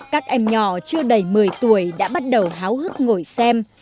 các em nhỏ chưa đầy một mươi tuổi đã bắt đầu háo hức ngồi xem